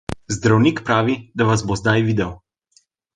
Zdravnik pravi, da vas bo zdaj videl.